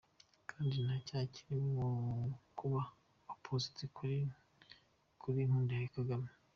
Kandi nta cyaha kiri mu kuba opposed kuri junta ya Kagame.